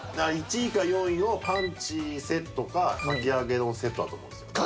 １位か４位をパンチセットかかき揚げ丼セットだと思うんですよね。